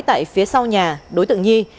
tại phía sau nhà đối tượng nhi